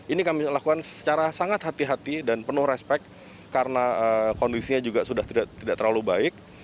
ini kami lakukan secara sangat hati hati dan penuh respect karena kondisinya juga sudah tidak terlalu baik